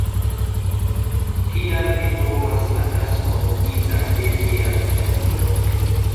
Kial vi trovas la taskon inda je via atento?